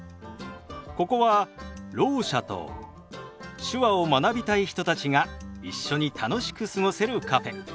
ここはろう者と手話を学びたい人たちが一緒に楽しく過ごせるカフェ。